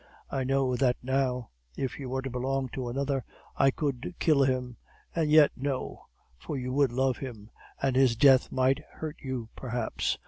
I know that now. If you were to belong to another, I could kill him. And yet, no; for you would love him, and his death might hurt you perhaps.